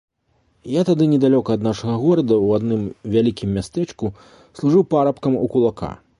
Я тады недалёка ад нашага горада, у адным вялікім мястэчку, служыў парабкам у кулака.